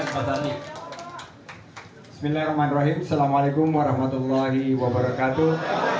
bismillahirrahmanirrahim assalamualaikum warahmatullahi wabarakatuh